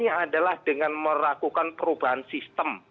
ini adalah dengan meragukan perubahan sistem